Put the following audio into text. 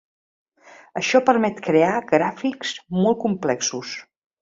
Això permet crear gràfics molt complexos.